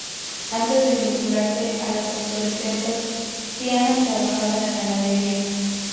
Antes de vincularse a las autodefensas, Triana trabajaba en la ganadería.